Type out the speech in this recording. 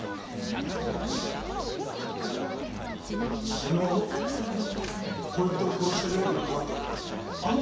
これはあの子恋人を殺した容疑のかかっているあの女じゃないか！